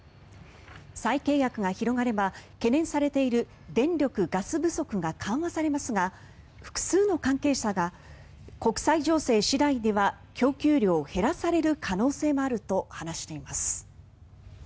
再契約が広がれば懸念されている電力・ガス不足が緩和されますが複数の関係者が国際情勢次第では供給量を減らされる可能性もあると話しています。